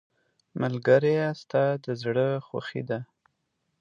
ملګری ستا د زړه خوښي ده.